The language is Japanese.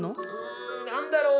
ん何だろう？